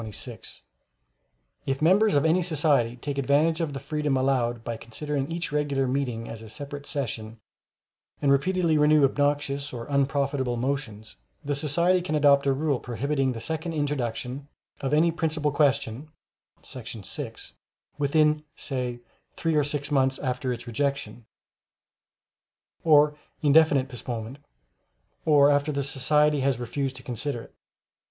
] If members of any society take advantage of the freedom allowed by considering each regular meeting a separate session, and repeatedly renew obnoxious or unprofitable motions, the society can adopt a rule prohibiting the second introduction of any principal question [§ 6] within, say, three or six months after its rejection, or indefinite postponement, or after the society has refused to consider it.